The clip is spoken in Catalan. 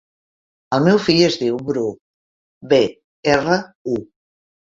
El meu fill es diu Bru: be, erra, u.